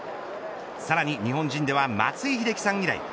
さらに日本人では松井秀喜さん以来。